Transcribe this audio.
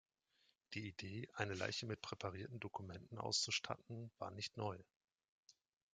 Die Idee, eine Leiche mit präparierten Dokumenten auszustatten, war nicht neu.